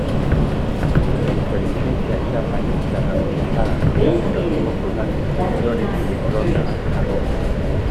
La inflorescencia en una panícula ramificada con racimos colgantes de flores de color naranja-rojo.